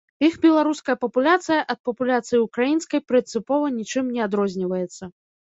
Іх беларуская папуляцыя ад папуляцыі ўкраінскай прынцыпова нічым не адрозніваецца.